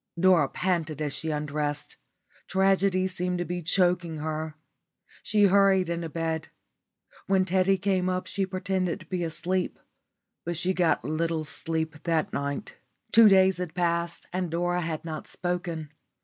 Dora panted as she undressed. Tragedy seemed to be choking her. She hurried into bed. When Teddy came up she pretended to be asleep, but she got little sleep that night. Two days had passed and Dora had not spoken.